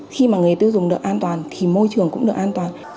khi mà người tiêu dùng được an toàn thì môi trường cũng được an toàn